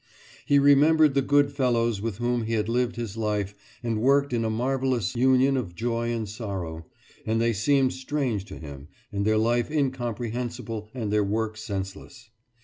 He remembered the good fellows with whom he had lived his life and worked in a marvellous union of joy and sorrow and they seemed strange to him and their life incomprehensible and their work senseless.